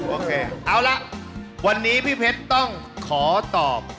โอเคเอาละวันนี้พี่เพชรต้องขอตอบ